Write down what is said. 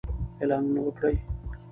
اعلانونه وکړئ.